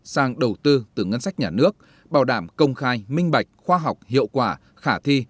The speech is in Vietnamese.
sang đầu tư từ ngân sách nhà nước bảo đảm công khai minh bạch khoa học hiệu quả khả thi